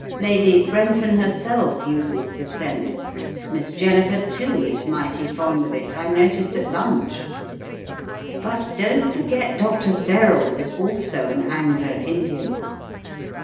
Lady Brenton herself uses the scent; Miss Jennifer, too, is mighty fond of it — I noticed at lunch. But don't forget Dr. Verrall is also an Anglo Indian.